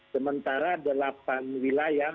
sementara delapan wilayah